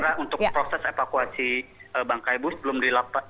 karena untuk proses evakuasi bangkai bus belum dilakukan